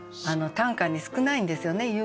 短歌に少ないんですよね